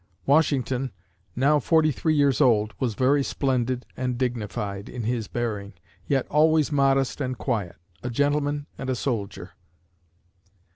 Washington, now forty three years old, was very splendid and dignified in his bearing, yet always modest and quiet a gentleman and a soldier.